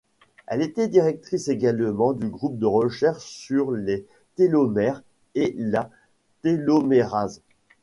Elle était directrice également du groupe de recherche sur les télomères et la télomérase.